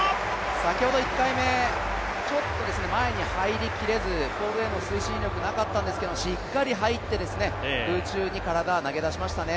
先ほど１回目、ちょっと前に入りきれず、ポールへの推進力なかったんですけれどもしっかり入って、空中に体、投げ出しましたね。